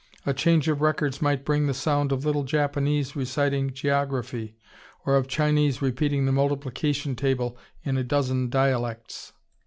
A change of records might bring the sound of little Japanese reciting geography, or of Chinese repeating the multiplication table in a dozen dialects.